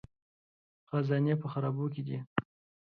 خزانې په خرابو کې دي